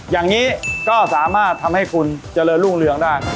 อย่างนี้ก็สามารถทำให้คุณเจริญรุ่งเรืองได้